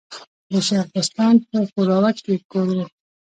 د شېخ بستان په ښوراوک کي ئې کور ؤ.